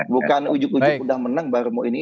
bukan ujug ujug udah menang baru mau ini